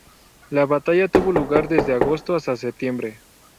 La batalla tuvo lugar desde agosto hasta septiembre.